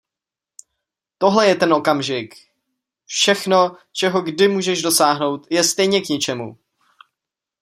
Tohle je ten okamžik! Všechno, čeho kdy můžeš dosáhnout, je stejně k ničemu!